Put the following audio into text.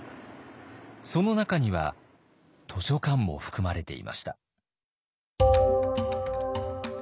その中には図書館も含まれていました。